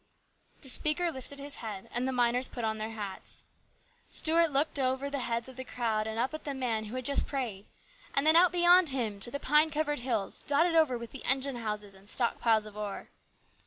* The speaker lifted his head and the miners put on their hats. Stuart looked out over the heads of the crowd and up at the man who had just prayed, and then out beyond him to the pine covered hills dotted over with the engine houses and stock piles of ore.